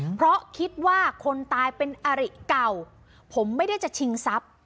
เพราะคิดว่าคนตายเป็นอริเก่าผมไม่ได้จะชิงทรัพย์